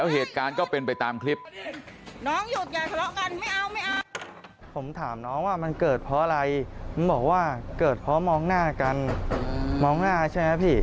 เหตุการณ์ก็เป็นไปตามคลิป